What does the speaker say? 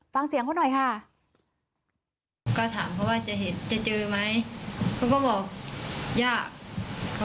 ฟังเสียงเขาหน่อยค่ะ